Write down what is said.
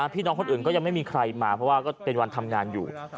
พี่น้องคนอื่นก็ยังไม่มีใครมาเพราะว่าก็เป็นวันทำงานอยู่